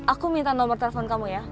aku minta nomor telepon kamu ya